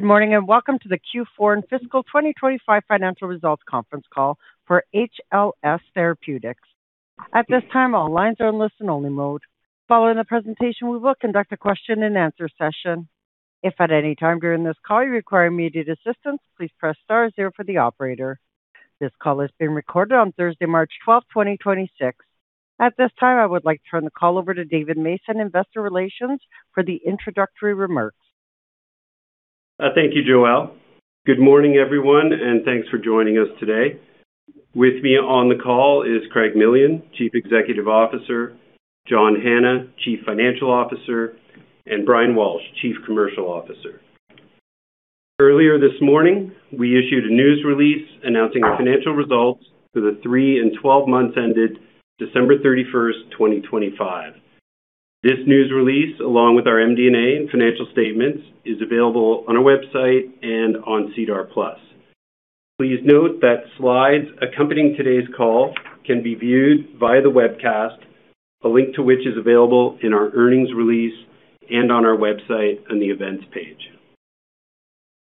Good morning, and welcome to the Q4 and fiscal 2025 financial results conference call for HLS Therapeutics. At this time, all lines are in listen-only mode. Following the presentation, we will conduct a Q&A session. If at any time during this call you require immediate assistance, please press star zero for the operator. This call is being recorded on Thursday, March 12, 2026. At this time, I would like to turn the call over to David Mason, Investor Relations, for the introductory remarks. Thank you, Joelle. Good morning, everyone, and thanks for joining us today. With me on the call is Craig Millian, Chief Executive Officer, John Hanna, Chief Financial Officer, and Brian Walsh, Chief Commercial Officer. Earlier this morning, we issued a news release announcing our financial results for the 3 and 12 months ended December 31, 2025. This news release, along with our MD&A and financial statements, is available on our website and on SEDAR+. Please note that slides accompanying today's call can be viewed via the webcast, a link to which is available in our earnings release and on our website on the Events page.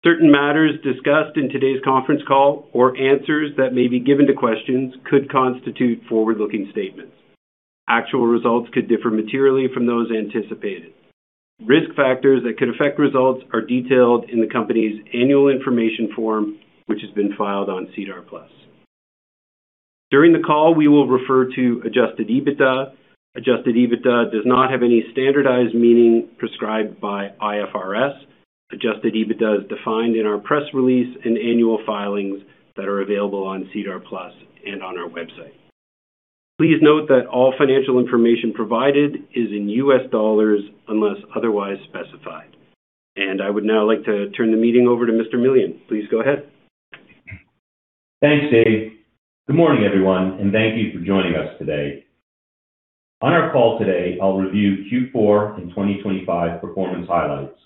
Certain matters discussed in today's conference call or answers that may be given to questions could constitute forward-looking statements. Actual results could differ materially from those anticipated. Risk factors that could affect results are detailed in the company's annual information form, which has been filed on SEDAR+. During the call, we will refer to Adjusted EBITDA. Adjusted EBITDA does not have any standardized meaning prescribed by IFRS. Adjusted EBITDA is defined in our press release and annual filings that are available on SEDAR+ and on our website. Please note that all financial information provided is in U.S. dollars unless otherwise specified. I would now like to turn the meeting over to Mr. Millian. Please go ahead. Thanks, Dave. Good morning, everyone, and thank you for joining us today. On our call today, I'll review Q4 and 2025 performance highlights,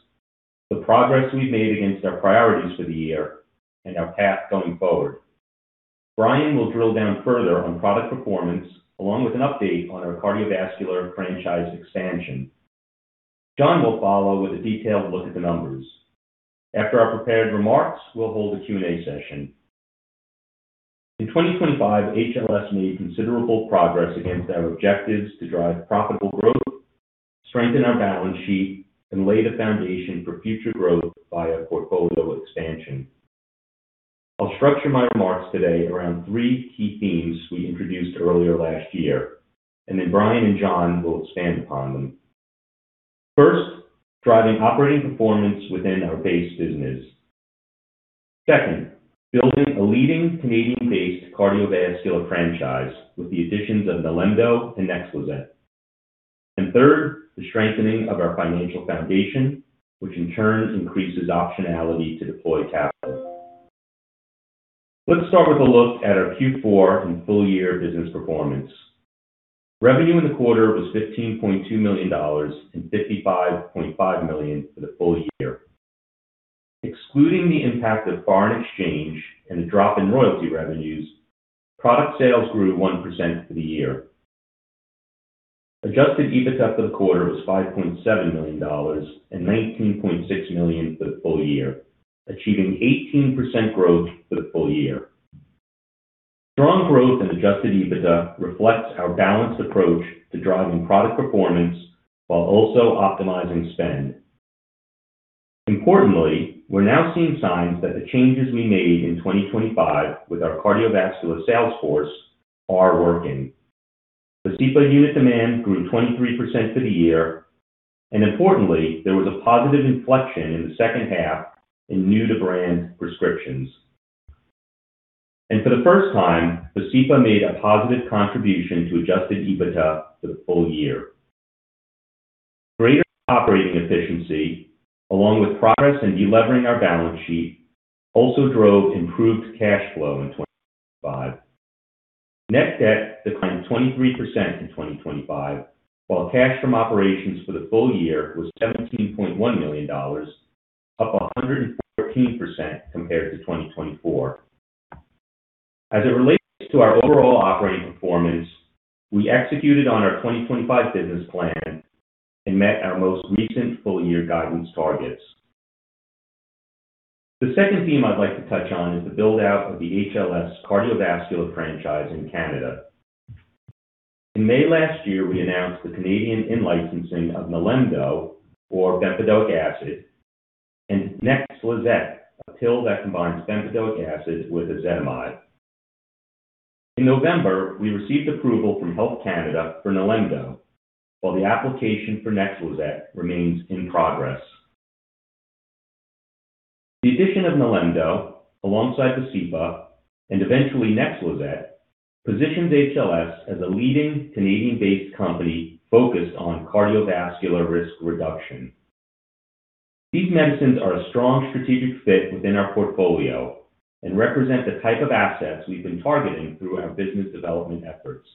the progress we've made against our priorities for the year, and our path going forward. Brian will drill down further on product performance along with an update on our cardiovascular franchise expansion. John will follow with a detailed look at the numbers. After our prepared remarks, we'll hold a Q&A session. In 2025, HLS made considerable progress against our objectives to drive profitable growth, strengthen our balance sheet, and lay the foundation for future growth via portfolio expansion. I'll structure my remarks today around 3 key themes we introduced earlier last year, and then Brian and John will expand upon them. First, driving operating performance within our base business. Second, building a leading Canadian-based cardiovascular franchise with the additions of NILEMDO and NEXLIZET. Third, the strengthening of our financial foundation, which in turn increases optionality to deploy capital. Let's start with a look at our Q4 and full year business performance. Revenue in the quarter was $15.2 million and $55.5 million for the full year. Excluding the impact of foreign exchange and a drop in royalty revenues, product sales grew 1% for the year. Adjusted EBITDA for the quarter was $5.7 million and $19.6 million for the full year, achieving 18% growth for the full year. Strong growth in adjusted EBITDA reflects our balanced approach to driving product performance while also optimizing spend. Importantly, we're now seeing signs that the changes we made in 2025 with our cardiovascular sales force are working. Vascepa unit demand grew 23% for the year and importantly, there was a positive inflection in the H2 in new to brand prescriptions. For the first time, Vascepa made a positive contribution to adjusted EBITDA for the full year. Greater operating efficiency, along with progress in delevering our balance sheet, also drove improved cash flow in 2025. Net debt declined 23% in 2025, while cash from operations for the full year was $17.1 million, up 114% compared to 2024. As it relates to our overall operating performance, we executed on our 2025 business plan and met our most recent full year guidance targets. The second theme I'd like to touch on is the build-out of the HLS cardiovascular franchise in Canada. In May last year, we announced the Canadian in-licensing of NILEMDO for bempedoic acid and NEXLIZET, a pill that combines bempedoic acid with ezetimibe. In November, we received approval from Health Canada for NILEMDO, while the application for NEXLIZET remains in progress. The addition of NILEMDO alongside Vascepa and eventually NEXLIZET positions HLS as a leading Canadian-based company focused on cardiovascular risk reduction. These medicines are a strong strategic fit within our portfolio and represent the type of assets we've been targeting through our business development efforts.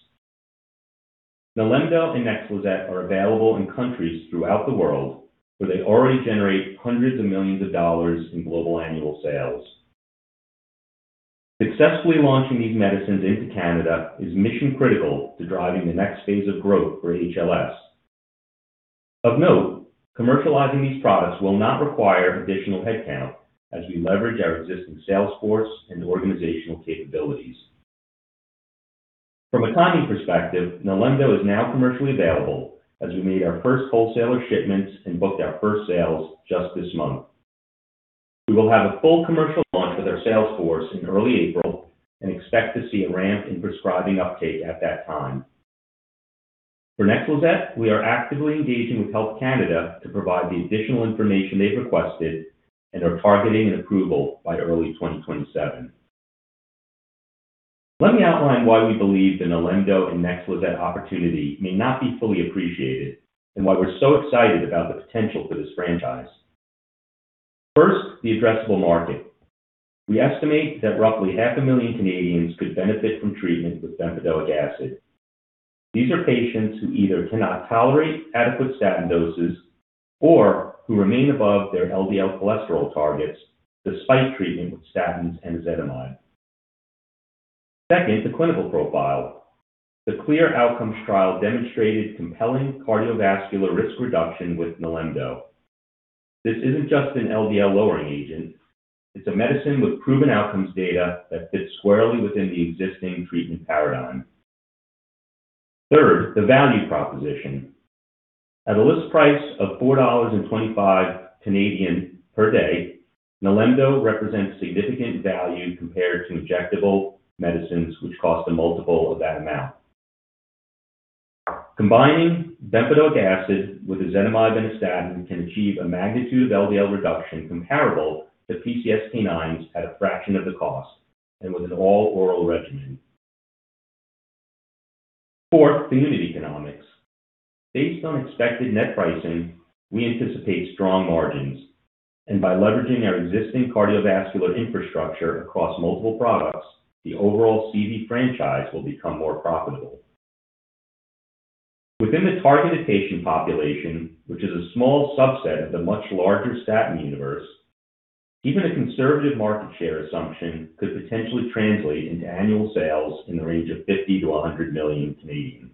NILEMDO and NEXLIZET are available in countries throughout the world where they already generate hundreds of millions of dollars in global annual sales. Successfully launching these medicines into Canada is mission critical to driving the next phase of growth for HLS. Of note, commercializing these products will not require additional headcount as we leverage our existing sales force and organizational capabilities. From a timing perspective, NILEMDO is now commercially available as we made our first wholesaler shipments and booked our first sales just this month. We will have a full commercial launch with our sales force in early April and expect to see a ramp in prescribing uptake at that time. For NEXLIZET, we are actively engaging with Health Canada to provide the additional information they've requested and are targeting an approval by early 2027. Let me outline why we believe the NILEMDO and NEXLIZET opportunity may not be fully appreciated and why we're so excited about the potential for this franchise. First, the addressable market. We estimate that roughly half a million Canadians could benefit from treatment with bempedoic acid. These are patients who either cannot tolerate adequate statin doses or who remain above their LDL cholesterol targets despite treatment with statins and ezetimibe. Second, the clinical profile. The CLEAR Outcomes trial demonstrated compelling cardiovascular risk reduction with NILEMDO. This isn't just an LDL-lowering agent. It's a medicine with proven outcomes data that fits squarely within the existing treatment paradigm. Third, the value proposition. At a list price of 4.25 Canadian dollars per day, NILEMDO represents significant value compared to injectable medicines which cost a multiple of that amount. Combining bempedoic acid with ezetimibe and a statin can achieve a magnitude of LDL reduction comparable to PCSK9s at a fraction of the cost and with an all-oral regimen. Fourth, the unit economics. Based on expected net pricing, we anticipate strong margins. By leveraging our existing cardiovascular infrastructure across multiple products, the overall CV franchise will become more profitable. Within the targeted patient population, which is a small subset of the much larger statin universe, even a conservative market share assumption could potentially translate into annual sales in the range of 50 million-100 million.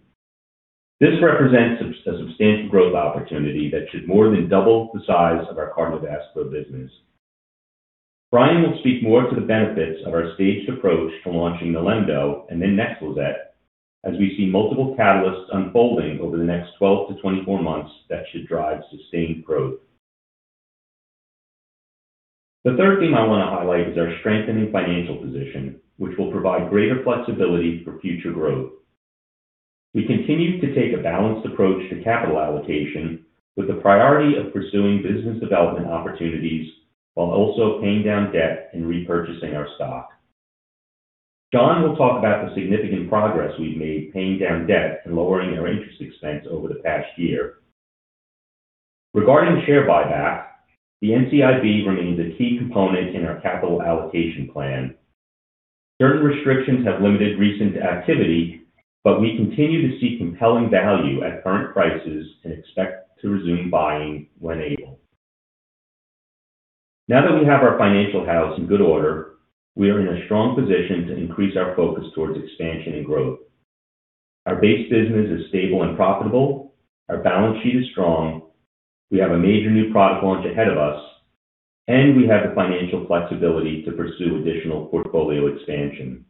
This represents a substantial growth opportunity that should more than double the size of our cardiovascular business. Brian will speak more to the benefits of our staged approach to launching NILEMDO and then NEXLIZET as we see multiple catalysts unfolding over the next 12-24 months that should drive sustained growth. The third theme I want to highlight is our strengthening financial position, which will provide greater flexibility for future growth. We continue to take a balanced approach to capital allocation with the priority of pursuing business development opportunities while also paying down debt and repurchasing our stock. John will talk about the significant progress we've made paying down debt and lowering our interest expense over the past year. Regarding share buyback, the NCIB remains a key component in our capital allocation plan. Certain restrictions have limited recent activity, but we continue to see compelling value at current prices and expect to resume buying when able. Now that we have our financial house in good order, we are in a strong position to increase our focus towards expansion and growth. Our base business is stable and profitable. Our balance sheet is strong. We have a major new product launch ahead of us, and we have the financial flexibility to pursue additional portfolio expansion.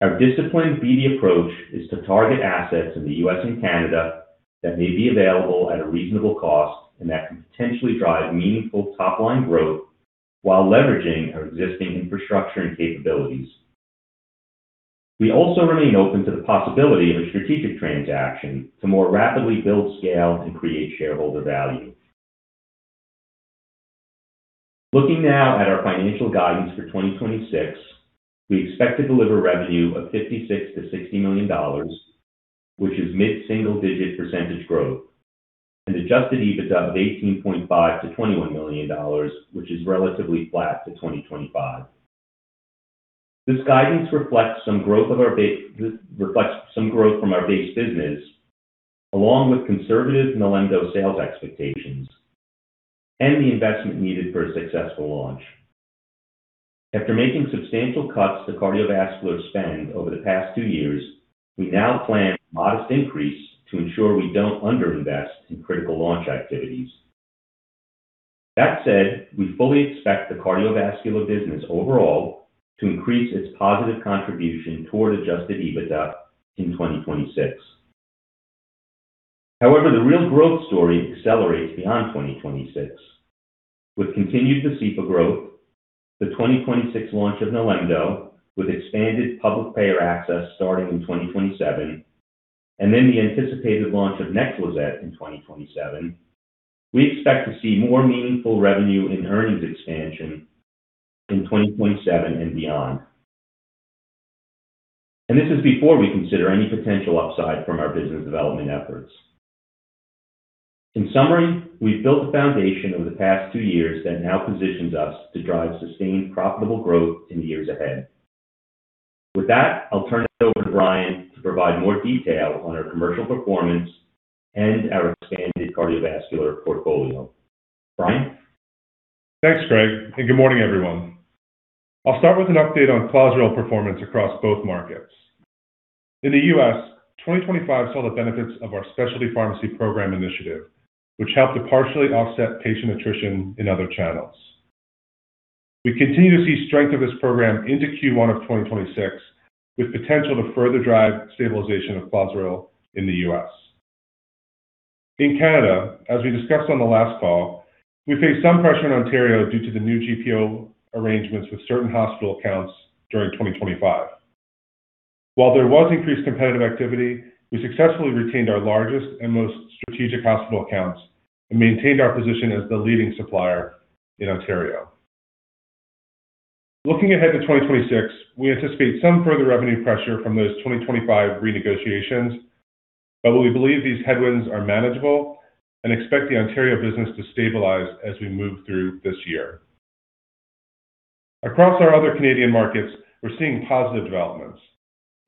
Our disciplined BD approach is to target assets in the U.S. and Canada that may be available at a reasonable cost and that can potentially drive meaningful top-line growth while leveraging our existing infrastructure and capabilities. We also remain open to the possibility of a strategic transaction to more rapidly build scale and create shareholder value. Looking now at our financial guidance for 2026, we expect to deliver revenue of $56 million-$60 million, which is mid-single digit % growth, and Adjusted EBITDA of $18.5 million-$21 million, which is relatively flat to 2025. This guidance reflects some growth from our base business, along with conservative NILEMDO sales expectations and the investment needed for a successful launch. After making substantial cuts to cardiovascular spend over the past 2 years, we now plan a modest increase to ensure we don't under-invest in critical launch activities. That said, we fully expect the cardiovascular business overall to increase its positive contribution toward Adjusted EBITDA in 2026. However, the real growth story accelerates beyond 2026. With continued Vascepa growth, the 2026 launch of NILEMDO, with expanded public payer access starting in 2027, and then the anticipated launch of NEXLIZET in 2027, we expect to see more meaningful revenue and earnings expansion in 2027 and beyond. This is before we consider any potential upside from our business development efforts. In summary, we've built the foundation over the past 2 years that now positions us to drive sustained profitable growth in the years ahead. With that, I'll turn it over to Brian to provide more detail on our commercial performance and our expanded cardiovascular portfolio. Brian? Thanks, Craig, and good morning, everyone. I'll start with an update on Clozaril performance across both markets. In the U.S., 2025 saw the benefits of our specialty pharmacy program initiative, which helped to partially offset patient attrition in other channels. We continue to see strength of this program into Q1 of 2026, with potential to further drive stabilization of Clozaril in the U.S. In Canada, as we discussed on the last call, we faced some pressure in Ontario due to the new GPO arrangements with certain hospital accounts during 2025. While there was increased competitive activity, we successfully retained our largest and most strategic hospital accounts and maintained our position as the leading supplier in Ontario. Looking ahead to 2026, we anticipate some further revenue pressure from those 2025 renegotiations, but we believe these headwinds are manageable and expect the Ontario business to stabilize as we move through this year. Across our other Canadian markets, we're seeing positive developments.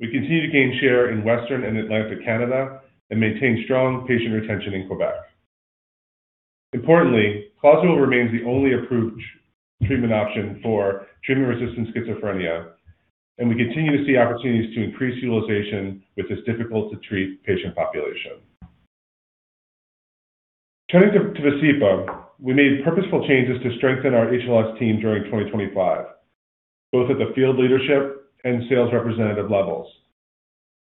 We continue to gain share in Western and Atlantic Canada and maintain strong patient retention in Quebec. Importantly, Clozaril remains the only approved treatment option for treatment-resistant schizophrenia, and we continue to see opportunities to increase utilization with this difficult to treat patient population. Turning to Vascepa, we made purposeful changes to strengthen our HLS team during 2025, both at the field leadership and sales representative levels,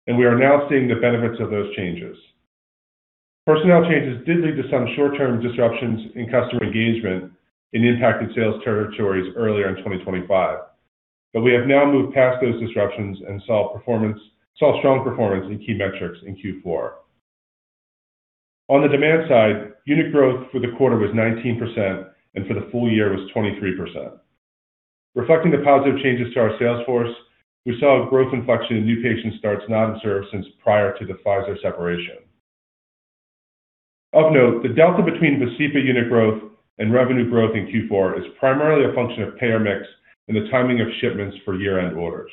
and we are now seeing the benefits of those changes. Personnel changes did lead to some short-term disruptions in customer engagement in impacted sales territories earlier in 2025, but we have now moved past those disruptions and saw strong performance in key metrics in Q4. On the demand side, unit growth for the quarter was 19% and for the full year was 23%. Reflecting the positive changes to our sales force, we saw a growth inflection in new patient starts not observed since prior to the Pfizer separation. Of note, the delta between Vascepa unit growth and revenue growth in Q4 is primarily a function of payer mix and the timing of shipments for year-end orders.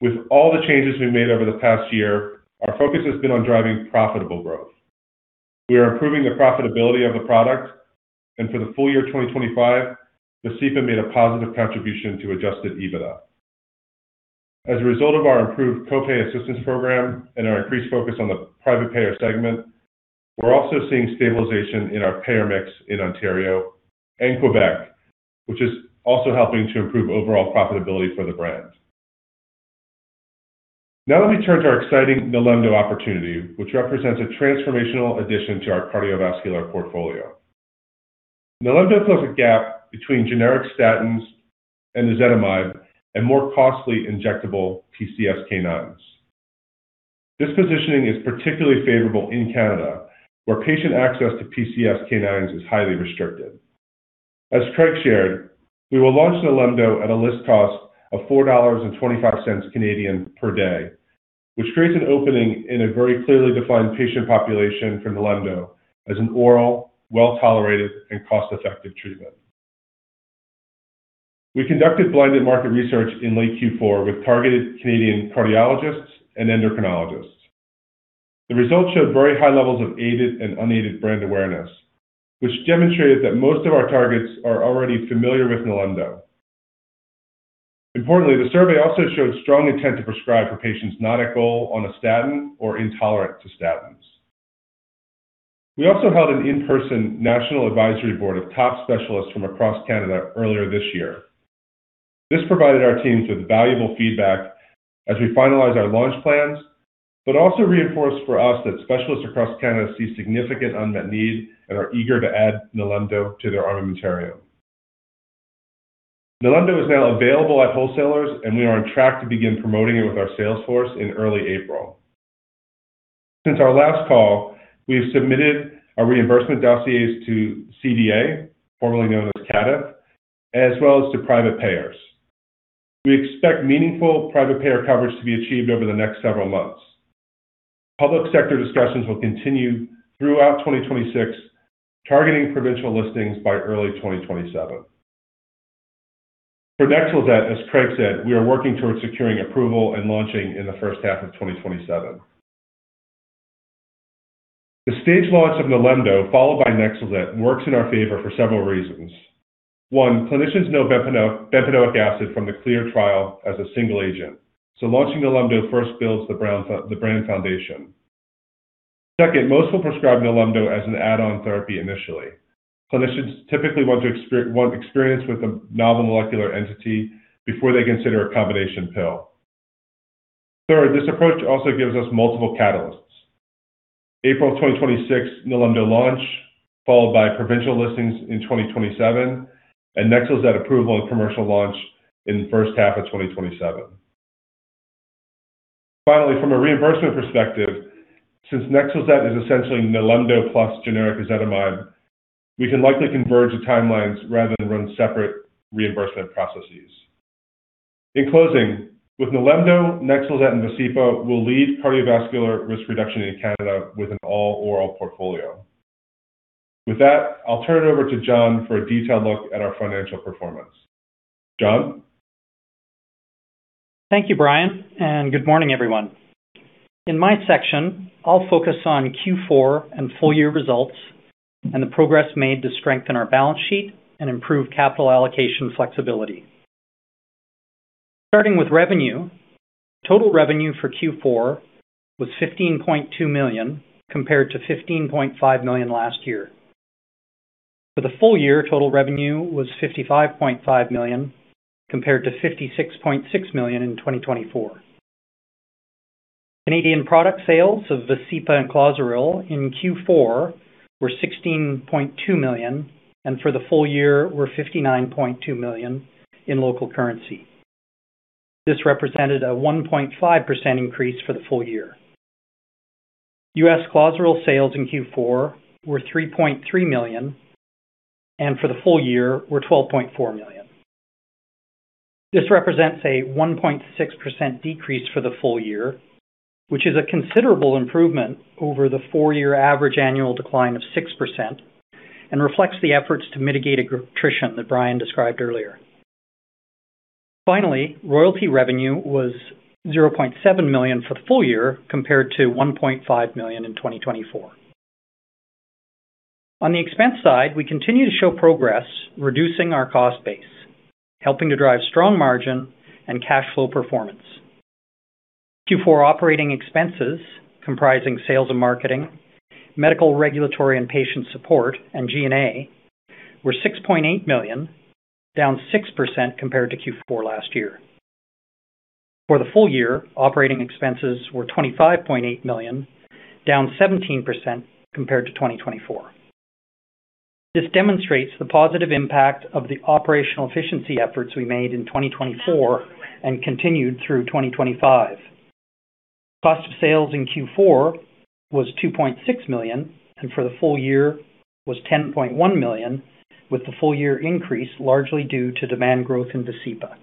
With all the changes we've made over the past year, our focus has been on driving profitable growth. We are improving the profitability of the product, and for the full year 2025, Vascepa made a positive contribution to Adjusted EBITDA. As a result of our improved co-pay assistance program and our increased focus on the private payer segment, we're also seeing stabilization in our payer mix in Ontario and Quebec, which is also helping to improve overall profitability for the brand. Now let me turn to our exciting NILEMDO opportunity, which represents a transformational addition to our cardiovascular portfolio. NILEMDO fills a gap between generic statins and ezetimibe and more costly injectable PCSK9s. This positioning is particularly favorable in Canada, where patient access to PCSK9s is highly restricted. As Craig shared, we will launch NILEMDO at a list cost of 4.25 Canadian dollars per day, which creates an opening in a very clearly defined patient population for NILEMDO as an oral, well-tolerated, and cost-effective treatment. We conducted blinded market research in late Q4 with targeted Canadian cardiologists and endocrinologists. The results showed very high levels of aided and unaided brand awareness, which demonstrated that most of our targets are already familiar with NILEMDO. Importantly, the survey also showed strong intent to prescribe for patients not at goal on a statin or intolerant to statins. We also held an in-person national advisory board of top specialists from across Canada earlier this year. This provided our teams with valuable feedback as we finalize our launch plans, but also reinforced for us that specialists across Canada see significant unmet need and are eager to add NILEMDO to their armamentarium. NILEMDO is now available at wholesalers, and we are on track to begin promoting it with our sales force in early April. Since our last call, we have submitted our reimbursement dossiers to CDA, formerly known as CADTH, as well as to private payers. We expect meaningful private payer coverage to be achieved over the next several months. Public sector discussions will continue throughout 2026, targeting provincial listings by early 2027. For NEXLIZET, as Craig said, we are working towards securing approval and launching in the H1 of 2027. The stage launch of NILEMDO followed by NEXLIZET works in our favor for several reasons. One, clinicians know bempedoic acid from the CLEAR Outcomes as a single agent, so launching NILEMDO first builds the brand foundation. Second, most will prescribe NILEMDO as an add-on therapy initially. Clinicians typically want experience with the novel molecular entity before they consider a combination pill. Third, this approach also gives us multiple catalysts. April 2026, NILEMDO launch, followed by provincial listings in 2027, and NEXLIZET approval and commercial launch in the H1 of 2027. Finally, from a reimbursement perspective, since NEXLIZET is essentially NILEMDO plus generic ezetimibe, we can likely converge the timelines rather than run separate reimbursement processes. In closing, with NILEMDO, NEXLIZET, and Vascepa, we'll lead cardiovascular risk reduction in Canada with an all-oral portfolio. With that, I'll turn it over to John for a detailed look at our financial performance. John? Thank you, Brian, and good morning, everyone. In my section, I'll focus on Q4 and full year results and the progress made to strengthen our balance sheet and improve capital allocation flexibility. Starting with revenue. Total revenue for Q4 was $15.2 million, compared to $15.5 million last year. For the full year, total revenue was $55.5 million, compared to $56.6 million in 2024. Canadian product sales of Vascepa and Clozaril in Q4 were 16.2 million, and for the full year were 59.2 million in local currency. This represented a 1.5% increase for the full year. U.S. Clozaril sales in Q4 were $3.3 million and for the full year were $12.4 million. This represents a 1.6% decrease for the full year, which is a considerable improvement over the 4-year average annual decline of 6% and reflects the efforts to mitigate attrition that Brian described earlier. Finally, royalty revenue was $0.7 million for the full year compared to $1.5 million in 2024. On the expense side, we continue to show progress, reducing our cost base, helping to drive strong margin and cash flow performance. Q4 operating expenses comprising sales and marketing, medical, regulatory, and patient support and G&A were $6.8 million, down 6% compared to Q4 last year. For the full year, operating expenses were $25.8 million, down 17% compared to 2024. This demonstrates the positive impact of the operational efficiency efforts we made in 2024 and continued through 2025. Cost of sales in Q4 was $2.6 million and for the full year was $10.1 million, with the full year increase largely due to demand growth in Vascepa.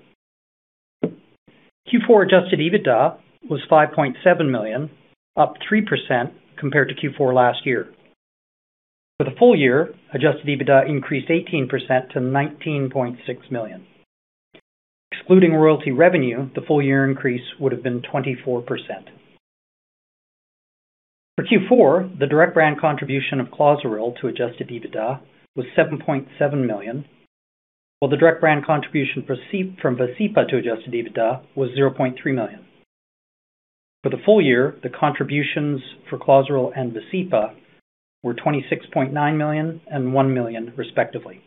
Q4 Adjusted EBITDA was $5.7 million, up 3% compared to Q4 last year. For the full year, Adjusted EBITDA increased 18% to $19.6 million. Excluding royalty revenue, the full year increase would have been 24%. For Q4, the direct brand contribution of Clozaril to Adjusted EBITDA was $7.7 million, while the direct brand contribution from Vascepa to Adjusted EBITDA was $0.3 million. For the full year, the contributions for Clozaril and Vascepa were $26.9 million and $1 million respectively.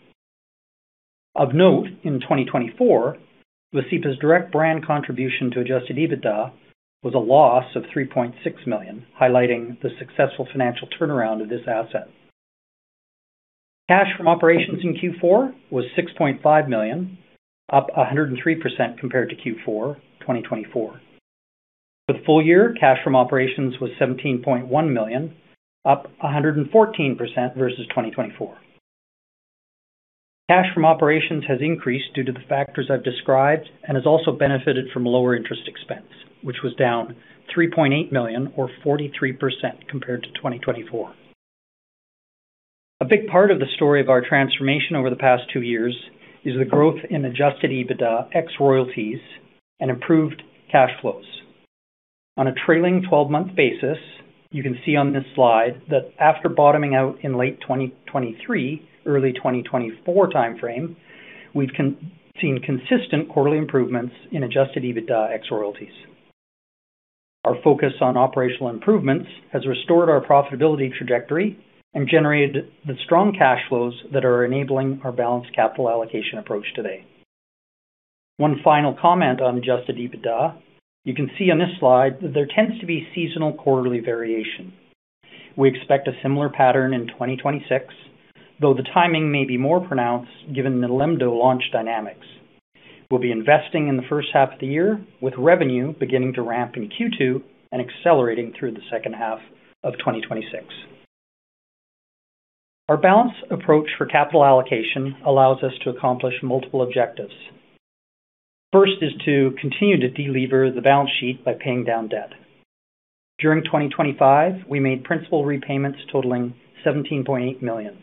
Of note, in 2024, Vascepa's direct brand contribution to adjusted EBITDA was a loss of $3.6 million, highlighting the successful financial turnaround of this asset. Cash from operations in Q4 was $6.5 million, up 103% compared to Q4 2023. For the full year, cash from operations was $17.1 million, up 114% versus 2023. Cash from operations has increased due to the factors I've described and has also benefited from lower interest expense, which was down $3.8 million or 43% compared to 2023. A big part of the story of our transformation over the past 2 years is the growth in adjusted EBITDA ex royalties and improved cash flows. On a trailing 12-month basis, you can see on this slide that after bottoming out in late 2023, early 2024 timeframe, we've seen consistent quarterly improvements in Adjusted EBITDA ex royalties. Our focus on operational improvements has restored our profitability trajectory and generated the strong cash flows that are enabling our balanced capital allocation approach today. One final comment on Adjusted EBITDA. You can see on this slide that there tends to be seasonal quarterly variation. We expect a similar pattern in 2026, though the timing may be more pronounced given NILEMDO launch dynamics. We'll be investing in the H1 of the year with revenue beginning to ramp in Q2 and accelerating through the H2 of 2026. Our balanced approach for capital allocation allows us to accomplish multiple objectives. First is to continue to delever the balance sheet by paying down debt. During 2025, we made principal repayments totaling 17.8 million.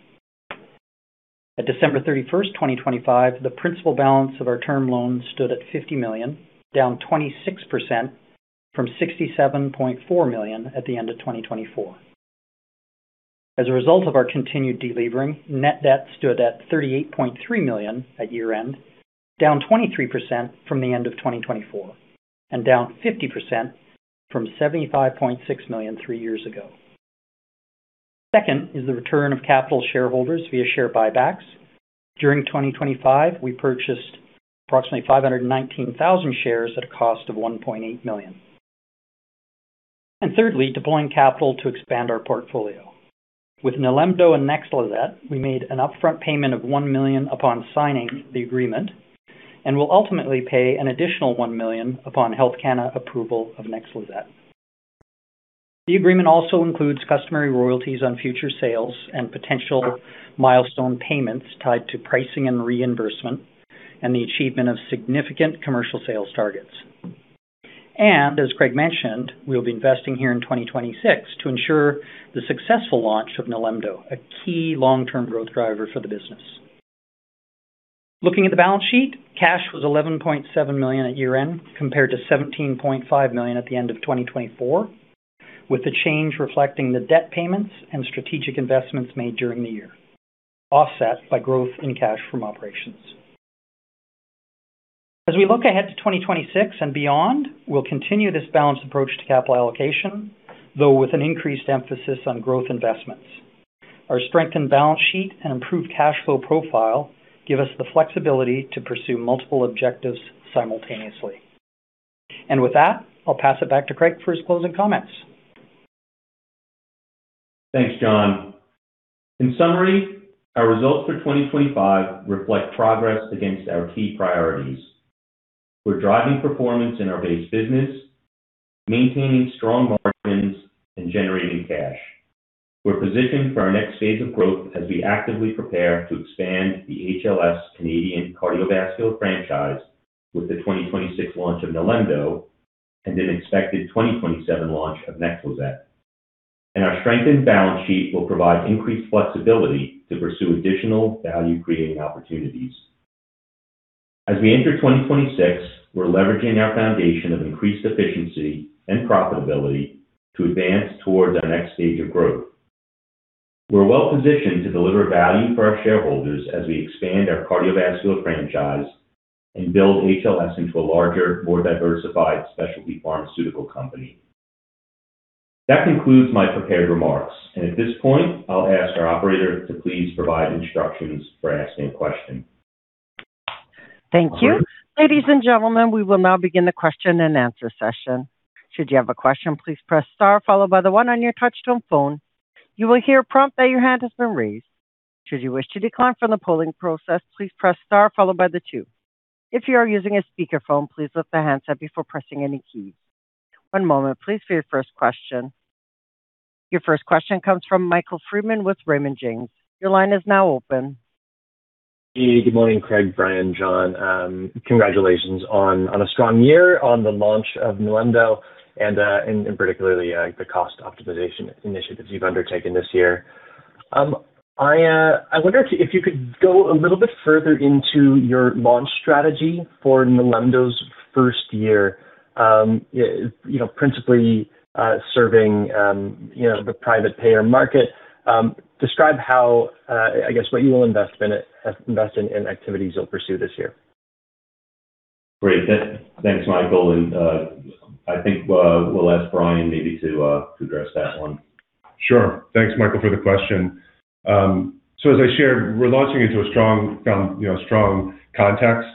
At December 31, 2025, the principal balance of our term loan stood at 50 million, down 26% from 67.4 million at the end of 2024. As a result of our continued delevering, net debt stood at 38.3 million at year-end, down 23% from the end of 2024 and down 50% from 75.6 million 3 years ago. Second is the return of capital shareholders via share buybacks. During 2025, we purchased approximately 519,000 shares at a cost of 1.8 million. Thirdly, deploying capital to expand our portfolio. With NILEMDO and NEXLIZET, we made an upfront payment of 1 million upon signing the agreement and will ultimately pay an additional 1 million upon Health Canada approval of NEXLIZET. The agreement also includes customary royalties on future sales and potential milestone payments tied to pricing and reimbursement and the achievement of significant commercial sales targets. As Craig mentioned, we'll be investing here in 2026 to ensure the successful launch of NILEMDO, a key long-term growth driver for the business. Looking at the balance sheet, cash was $11.7 million at year-end compared to $17.5 million at the end of 2024, with the change reflecting the debt payments and strategic investments made during the year, offset by growth in cash from operations. As we look ahead to 2026 and beyond, we'll continue this balanced approach to capital allocation, though with an increased emphasis on growth investments. Our strengthened balance sheet and improved cash flow profile give us the flexibility to pursue multiple objectives simultaneously. With that, I'll pass it back to Craig for his closing comments. Thanks, John. In summary, our results for 2025 reflect progress against our key priorities. We're driving performance in our base business, maintaining strong margins, and generating cash. We're positioned for our next phase of growth as we actively prepare to expand the HLS Canadian cardiovascular franchise with the 2026 launch of NILEMDO and an expected 2027 launch of NEXLIZET. Our strengthened balance sheet will provide increased flexibility to pursue additional value-creating opportunities. As we enter 2026, we're leveraging our foundation of increased efficiency and profitability to advance towards our next stage of growth. We're well positioned to deliver value for our shareholders as we expand our cardiovascular franchise and build HLS into a larger, more diversified specialty pharmaceutical company. That concludes my prepared remarks. At this point, I'll ask our operator to please provide instructions for asking a question. Thank you. Ladies and gentlemen, we will now begin the Q&A session. Should you have a question, please press star followed by the one on your touch-tone phone. You will hear a prompt that your hand has been raised. Should you wish to decline from the polling process, please press star followed by the 2. If you are using a speakerphone, please lift the handset before pressing any keys. One moment, please, for your first question. Your first question comes from Michael Freeman with Raymond James. Your line is now open. Good morning, Craig, Brian, John. Congratulations on a strong year on the launch of NILEMDO and particularly the cost optimization initiatives you've undertaken this year. I wonder if you could go a little bit further into your launch strategy for NILEMDO's first year, you know, principally serving you know the private payer market. Describe how I guess what you will invest in activities you'll pursue this year. Great. Thanks, Michael, and I think we'll ask Brian maybe to address that one. Sure. Thanks, Michael, for the question. As I shared, we're launching into a strong, you know, strong context,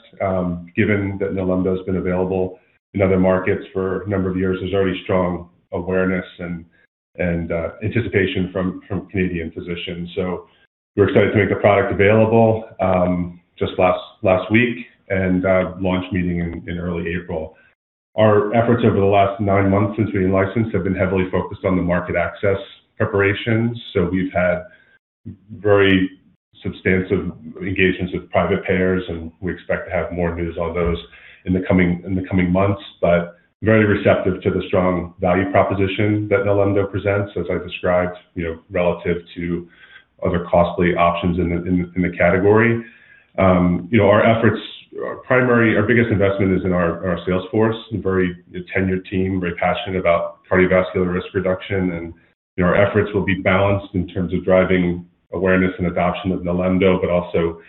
given that NILEMDO's been available in other markets for a number of years. There's already strong awareness and anticipation from Canadian physicians. We're excited to make the product available just last week and launch meeting in early April. Our efforts over the last 9 months since being licensed have been heavily focused on the market access preparations. We've had very substantive engagements with private payers, and we expect to have more news on those in the coming months. Very receptive to the strong value proposition that NILEMDO presents, as I described, you know, relative to other costly options in the category. You know, our efforts, our biggest investment is in our sales force, a very tenured team, very passionate about cardiovascular risk reduction. You know, our efforts will be balanced in terms of driving awareness and adoption of NILEMDO, but also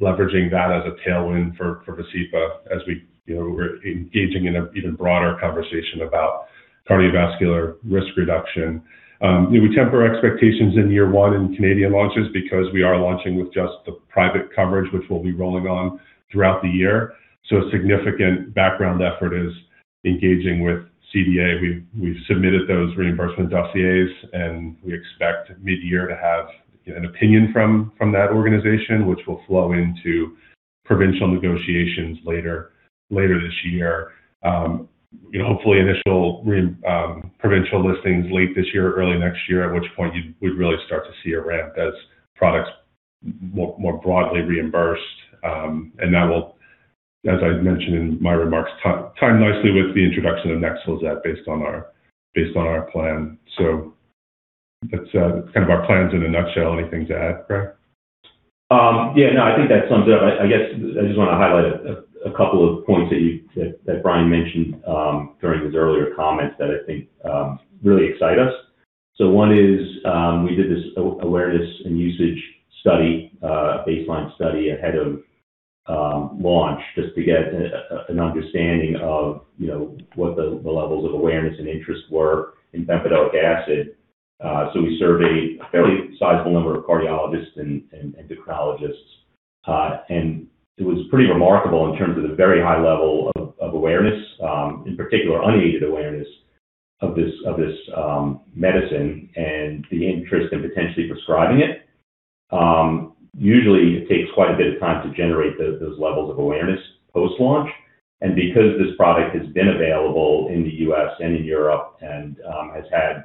leveraging that as a tailwind for Vascepa as we, you know, we're engaging in an even broader conversation about cardiovascular risk reduction. You know, we temper our expectations in year one in Canadian launches because we are launching with just the private coverage, which we'll be rolling out throughout the year. A significant background effort is engaging with CDA. We've submitted those reimbursement dossiers, and we expect mid-year to have an opinion from that organization, which will flow into provincial negotiations later this year. You know, hopefully initial provincial listings late this year or early next year, at which point you would really start to see a ramp as products more broadly reimbursed. That will, as I mentioned in my remarks, time nicely with the introduction of NEXLIZET based on our plan. That's kind of our plans in a nutshell. Anything to add, Craig? Yeah, no, I think that sums it up. I guess I just wanna highlight a couple of points that Brian mentioned during his earlier comments that I think really excite us. One is, we did this awareness and usage study, baseline study ahead of launch just to get an understanding of, you know, what the levels of awareness and interest were in bempedoic acid. We surveyed a fairly sizable number of cardiologists and endocrinologists, and it was pretty remarkable in terms of the very high level of awareness, in particular, unaided awareness of this medicine and the interest in potentially prescribing it. Usually it takes quite a bit of time to generate those levels of awareness post-launch. Because this product has been available in the U.S. and in Europe and has had.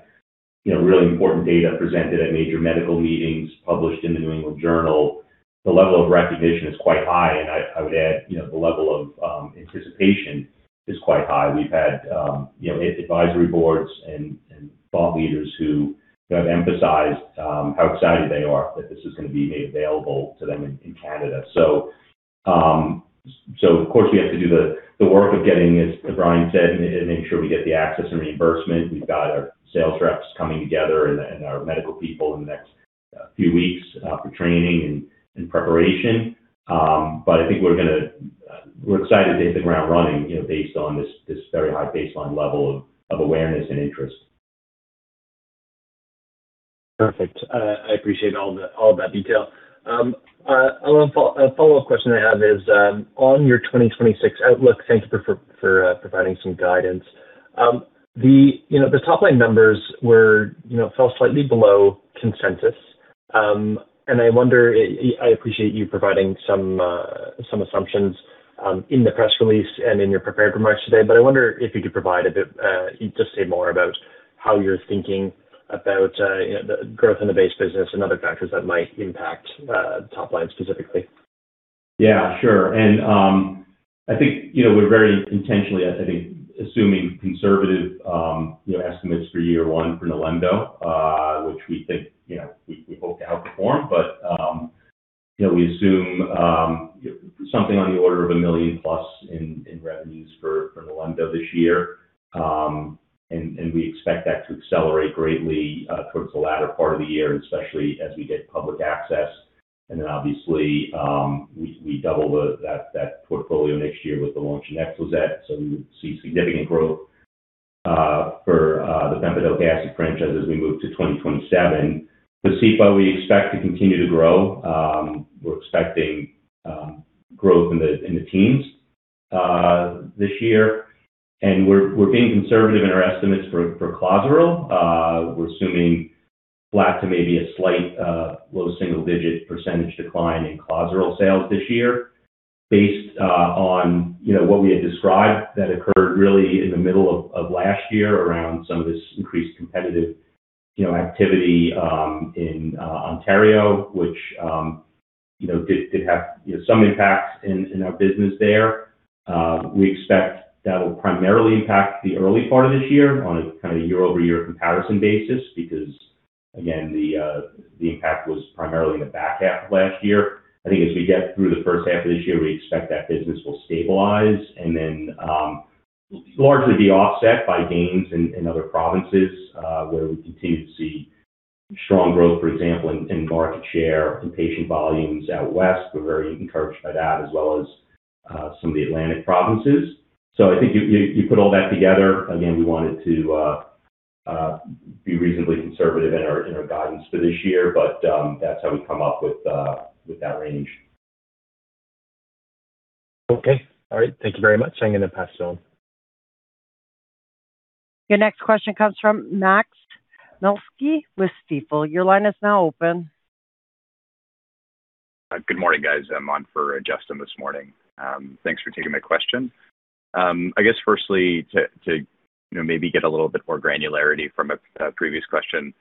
You know, really important data presented at major medical meetings, published in the New England Journal of Medicine. The level of recognition is quite high, and I would add, you know, the level of anticipation is quite high. We've had, you know, advisory boards and thought leaders who have emphasized how excited they are that this is gonna be made available to them in Canada. Of course, we have to do the work of getting, as Brian said, make sure we get the access and reimbursement. We've got our sales reps coming together and our medical people in the next few weeks for training and preparation. I think we're excited to hit the ground running, you know, based on this very high baseline level of awareness and interest. Perfect. I appreciate all of that detail. One follow-up question I have is on your 2026 outlook, thanks for providing some guidance. You know, the top-line numbers were, you know, fell slightly below consensus. I wonder. I appreciate you providing some assumptions in the press release and in your prepared remarks today. I wonder if you could provide a bit, just say more about how you're thinking about the growth in the base business and other factors that might impact top line specifically. Yeah, sure. I think, you know, we're very intentionally, I think, assuming conservative, you know, estimates for year one for NILEMDO, which we think, you know, we hope to outperform. We assume something on the order of 1 million+ in revenues for NILEMDO this year. We expect that to accelerate greatly towards the latter part of the year, and especially as we get public access. Obviously, we double that portfolio next year with the launch of NEXLIZET. We would see significant growth for the bempedoic acid franchise as we move to 2027. Vascepa, we expect to continue to grow. We're expecting growth in the teens this year. We're being conservative in our estimates for Clozaril. We're assuming flat to maybe a slight low single-digit % decline in Clozaril sales this year based on you know what we had described that occurred really in the middle of last year around some of this increased competitive you know activity in Ontario. Which you know did have some impact in our business there. We expect that will primarily impact the early part of this year on a kind of year-over-year comparison basis because again the impact was primarily in the back half of last year. I think as we get through the H1 of this year we expect that business will stabilize and then largely be offset by gains in other provinces where we continue to see strong growth for example in market share and patient volumes out west. We're very encouraged by that as well as some of the Atlantic provinces. I think you put all that together, again, we wanted to be reasonably conservative in our guidance for this year, but that's how we come up with that range. Okay. All right. Thank you very much. I'm gonna pass it on. Your next question comes from Max Milski with Stifel. Your line is now open. Good morning, guys. I'm on for Justin this morning. Thanks for taking my question. I guess firstly to you know, maybe get a little bit more granularity from a previous question.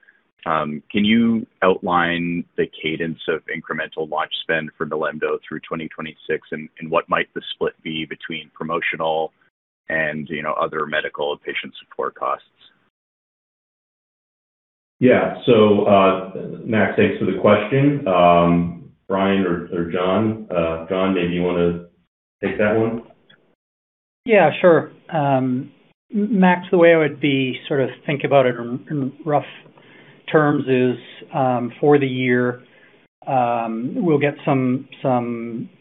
Can you outline the cadence of incremental launch spend for NILEMDO through 2026? And what might the split be between promotional and you know, other medical and patient support costs? Yeah. Max, thanks for the question. Brian or John, maybe you wanna take that one? Yeah, sure. Max, the way I would sort of think about it in rough terms is, for the year, we'll get some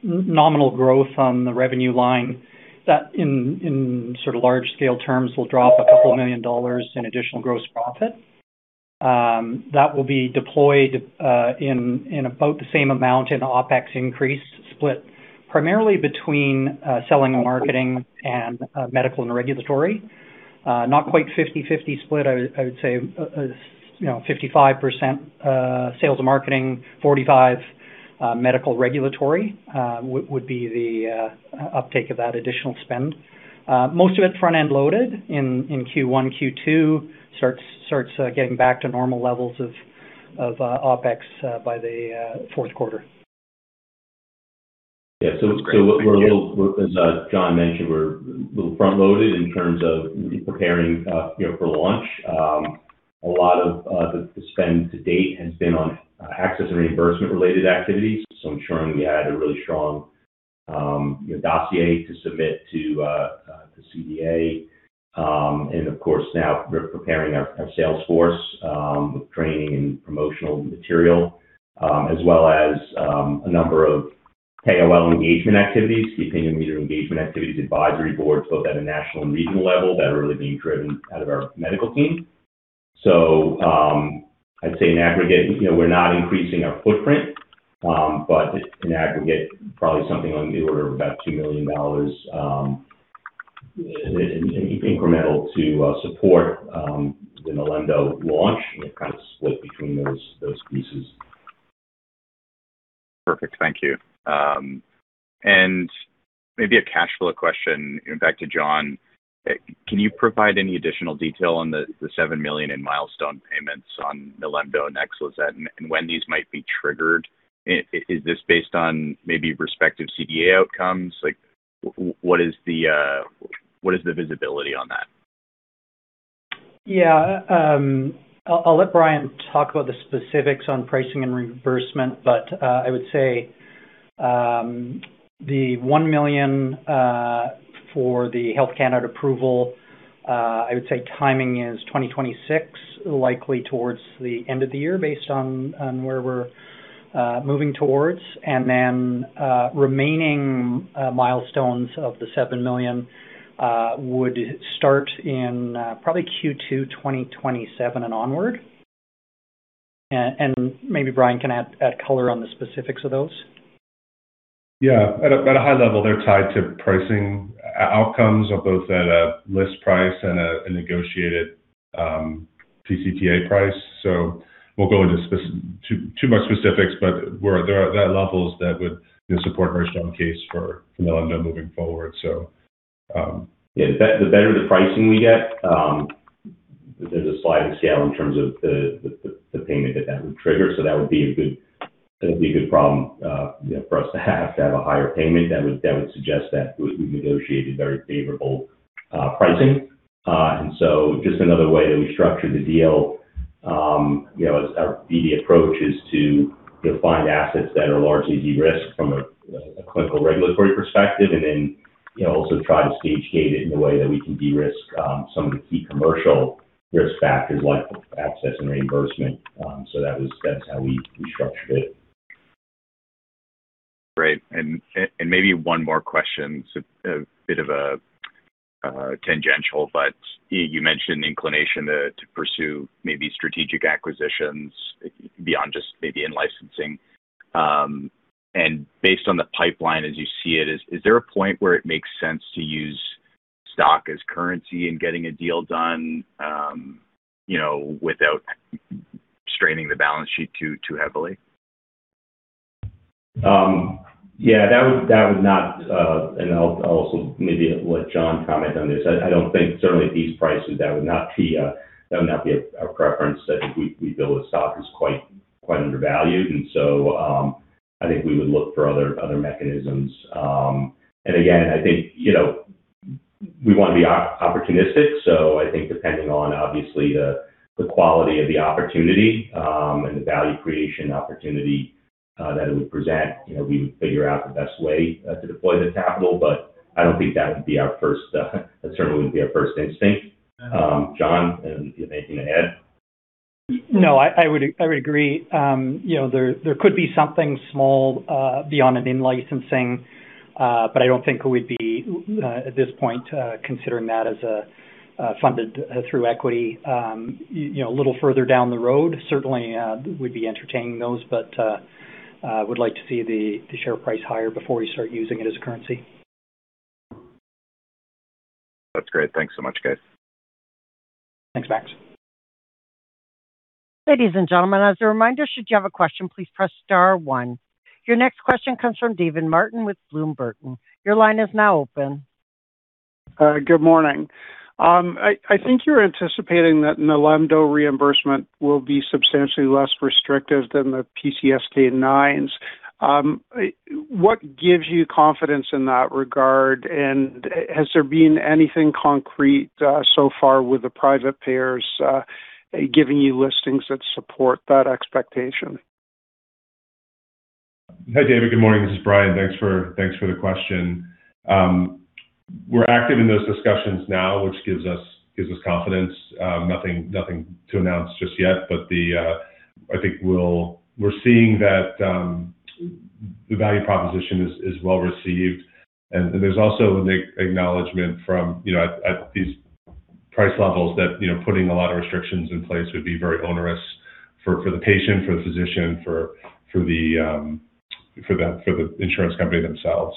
nominal growth on the revenue line that in sort of large scale terms will drop $2 million in additional gross profit. That will be deployed in about the same amount in OpEx increase split primarily between selling and marketing and medical and regulatory. Not quite 50/50 split. I would say, you know, 55% sales and marketing, 45 medical regulatory would be the uptake of that additional spend. Most of it front-end loaded in Q1, Q2, starts getting back to normal levels of OpEx by the Q4. As John mentioned, we're a little front-loaded in terms of preparing, you know, for launch. A lot of the spend to date has been on access and reimbursement related activities, ensuring we had a really strong, you know, dossier to submit to the CDA. Of course, now we're preparing our sales force with training and promotional material, as well as a number of KOL engagement activities, key opinion leader engagement activities, advisory boards, both at a national and regional level that are really being driven out of our medical team. I'd say in aggregate, you know, we're not increasing our footprint, but in aggregate, probably something on the order of about CAD 2 million incremental to support the NILEMDO launch and kind of split between those pieces. Perfect. Thank you. Maybe a cash flow question back to John. Can you provide any additional detail on the 7 million in milestone payments on NILEMDO and NEXLIZET and when these might be triggered? Is this based on maybe respective CDA outcomes? Like what is the visibility on that? Yeah. I'll let Brian talk about the specifics on pricing and reimbursement, but I would say the $1 million for the Health Canada approval I would say timing is 2026, likely towards the end of the year based on where we're moving towards. Then, remaining milestones of the $7 million would start in probably Q2 2027 and onward. Maybe Brian can add color on the specifics of those. Yeah. At a high level, they're tied to pricing outcomes of both at a list price and a negotiated pCPA price. We'll go into too much specifics, but there are levels that would support our strong case for NILEMDO moving forward. Yeah. The better the pricing we get, there's a sliding scale in terms of the payment that would trigger. That would be a good problem for us to have, a higher payment. That would suggest that we've negotiated very favorable pricing. Just another way that we structured the deal, you know, as our BD approach is to, you know, find assets that are largely de-risked from a clinical regulatory perspective and then, you know, also try to stage gate it in a way that we can de-risk some of the key commercial risk factors like access and reimbursement. That's how we structured it. Great. Maybe one more question. It's a bit of a tangential, but you mentioned inclination to pursue maybe strategic acquisitions beyond just maybe in licensing. Based on the pipeline as you see it, is there a point where it makes sense to use stock as currency in getting a deal done, you know, without straining the balance sheet too heavily? Yeah, that would not, and I'll also maybe let John comment on this. I don't think certainly at these prices, that would not be our preference. I think we feel the stock is quite undervalued. I think we would look for other mechanisms. And again, I think, you know, we want to be opportunistic. I think depending on obviously the quality of the opportunity, and the value creation opportunity, that it would present, you know, we would figure out the best way to deploy the capital. I don't think that would be our first, that certainly wouldn't be our first instinct. John, anything to add? No, I would agree. You know, there could be something small beyond an in-licensing, but I don't think we'd be at this point considering that as a funded through equity. You know, a little further down the road, certainly, we'd be entertaining those, but would like to see the share price higher before we start using it as a currency. That's great. Thanks so much, guys. Thanks, Max. Ladies and gentlemen, as a reminder, should you have a question, please press star one. Your next question comes from David Martin with Bloomberg. Your line is now open. Good morning. I think you're anticipating that NILEMDO reimbursement will be substantially less restrictive than the PCSK9s. What gives you confidence in that regard? Has there been anything concrete so far with the private payers giving you listings that support that expectation? Hey, David. Good morning. This is Brian. Thanks for the question. We're active in those discussions now, which gives us confidence. Nothing to announce just yet, but I think we're seeing that the value proposition is well received. There's also an acknowledgment from, you know, at these price levels that, you know, putting a lot of restrictions in place would be very onerous for the patient, for the physician, for the insurance company themselves.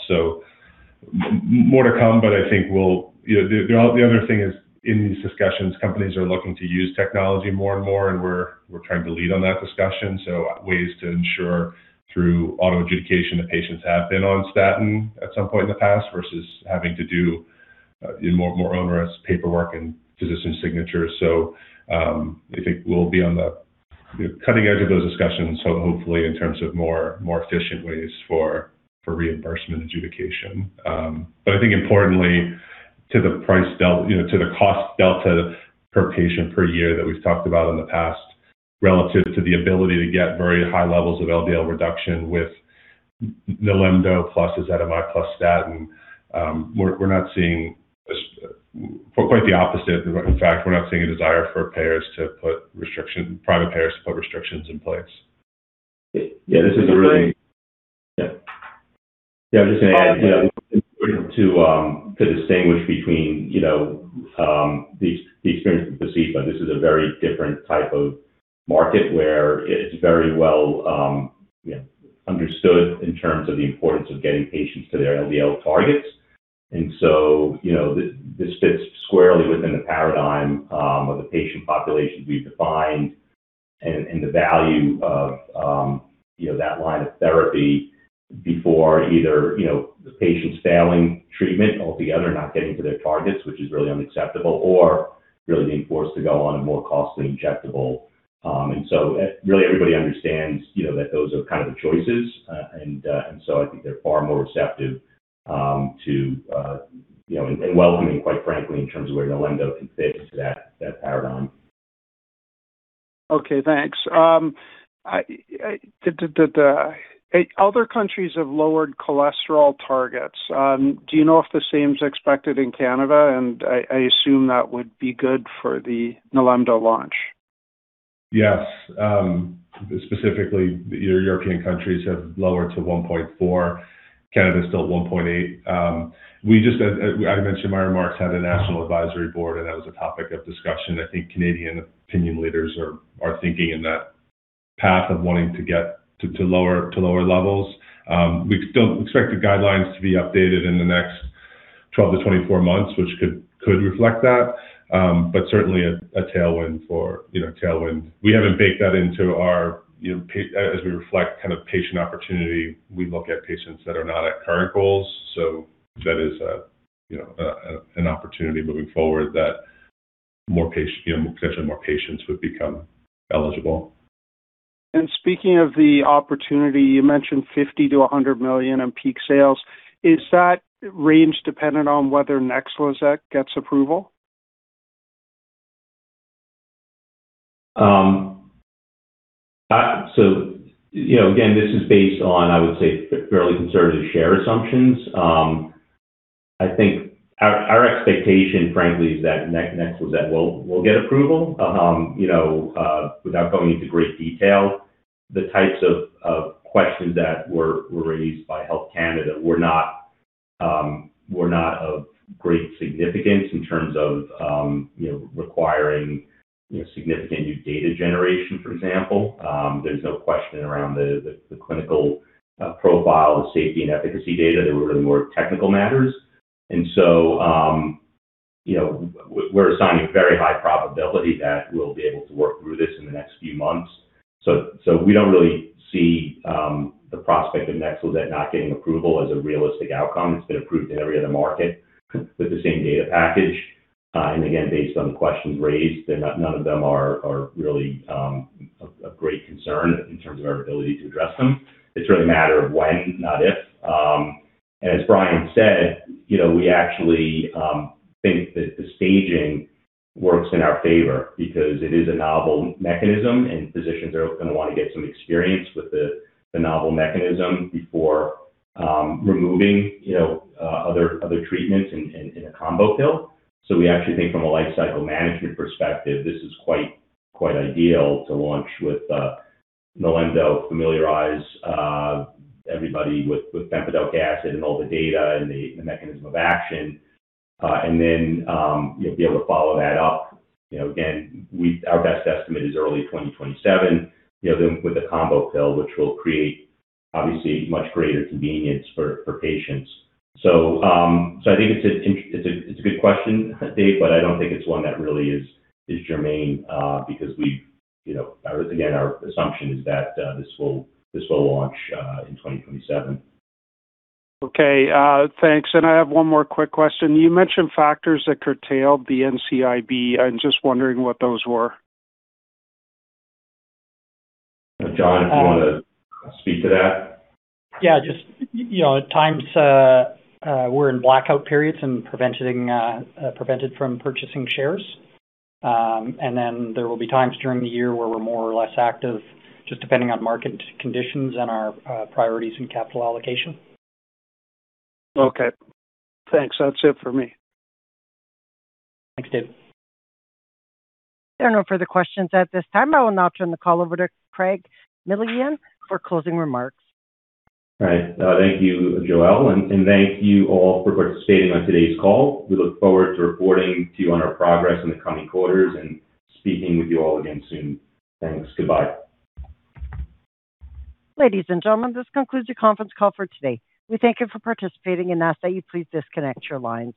More to come, but I think we'll. You know, the other thing is in these discussions, companies are looking to use technology more and more, and we're trying to lead on that discussion. Ways to ensure through auto adjudication that patients have been on statin at some point in the past versus having to do more onerous paperwork and physician signatures. I think we'll be on the cutting edge of those discussions, hopefully in terms of more efficient ways for reimbursement adjudication. But I think importantly to the price delta, you know, to the cost delta per patient per year that we've talked about in the past, relative to the ability to get very high levels of LDL reduction with NILEMDO plus ezetimibe minus statin, we're not seeing this for quite the opposite. In fact, we're not seeing a desire for payers to put restrictions in place. Yeah, this is a really. Can you hear me? Yeah. Yeah, I was just gonna add, you know, it's important to distinguish between, you know, the experience with Vascepa. This is a very different type of market where it's very well, you know, understood in terms of the importance of getting patients to their LDL targets. You know, this fits squarely within the paradigm of the patient population we've defined and the value of, you know, that line of therapy before either, you know, the patient's failing treatment altogether, not getting to their targets, which is really unacceptable or really being forced to go on a more costly injectable. Really everybody understands, you know, that those are kind of the choices. I think they're far more receptive to you know and welcoming, quite frankly, in terms of where NILEMDO can fit into that paradigm. Okay, thanks. Other countries have lowered cholesterol targets. Do you know if the same is expected in Canada? I assume that would be good for the NILEMDO launch. Yes. Specifically, your European countries have lowered to 1.4. Canada is still 1.8. We just had, I mentioned my remarks had a national advisory board, and that was a topic of discussion. I think Canadian opinion leaders are thinking in that path of wanting to get to lower levels. We don't expect the guidelines to be updated in the next 12-24 months, which could reflect that. But certainly a tailwind for, you know, tailwind. We haven't baked that into our, you know, as we reflect kind of patient opportunity, we look at patients that are not at current goals. That is a, you know, a, an opportunity moving forward that more patient, you know, potentially more patients would become eligible. Speaking of the opportunity, you mentioned $50 million-$100 million in peak sales. Is that range dependent on whether NEXLIZET gets approval? You know, again, this is based on, I would say, fairly conservative share assumptions. I think our expectation, frankly, is that NEXLIZET will get approval. You know, without going into great detail, the types of questions that were raised by Health Canada were not of great significance in terms of, you know, requiring, you know, significant new data generation, for example. There's no question around the clinical profile or safety and efficacy data. They were really more technical matters. We're assigning very high probability that we'll be able to work through this in the next few months. We don't really see the prospect of NEXLIZET not getting approval as a realistic outcome. It's been approved in every other market with the same data package. Based on the questions raised, none of them are really of great concern in terms of our ability to address them. It's really a matter of when, not if. As Brian said, you know, we actually think that the staging works in our favor because it is a novel mechanism, and physicians are gonna wanna get some experience with the novel mechanism before removing, you know, other treatments in a combo pill. So we actually think from a lifecycle management perspective, this is quite ideal to launch with NILEMDO, familiarize everybody with bempedoic acid and all the data and the mechanism of action. Then, you know, be able to follow that up. You know, again, our best estimate is early 2027, you know, then with a combo pill, which will create obviously much greater convenience for patients. I think it's a good question, Dave, but I don't think it's one that really is germane, because we've, you know, again, our assumption is that this will launch in 2027. Okay, thanks. I have one more quick question. You mentioned factors that curtailed the NCIB. I'm just wondering what those were. John, if you wanna speak to that. Yeah, just you know, at times we're in blackout periods and prevented from purchasing shares. There will be times during the year where we're more or less active, just depending on market conditions and our priorities and capital allocation. Okay. Thanks. That's it for me. Thanks, Dave. There are no further questions at this time. I will now turn the call over to Craig Millian for closing remarks. All right. Thank you, Joelle, and thank you all for participating on today's call. We look forward to reporting to you on our progress in the coming quarters and speaking with you all again soon. Thanks. Goodbye. Ladies and gentlemen, this concludes your conference call for today. We thank you for participating and ask that you please disconnect your lines.